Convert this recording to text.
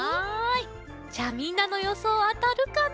じゃあみんなのよそうあたるかな？